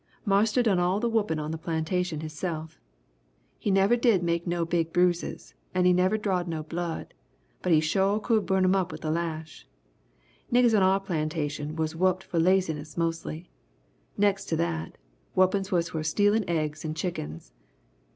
Marster done all the whuppin' on our plantation hisself. He never did make no big bruises and he never drawed no blood, but he sho' could burn 'em up with that lash! Niggers on our plantation was whupped for laziness mostly. Next to that, whuppings was for stealin' eggs and chickens.